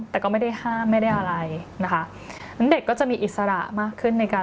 แต่ก็ไม่ได้ห้ามไม่ได้อะไรนะคะ